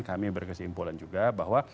kami berkesimpulan juga bahwa